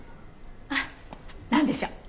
あっ何でしょう？